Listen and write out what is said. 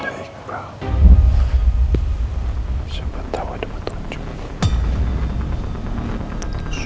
aku harus jaga tau di rumahnya ikhlas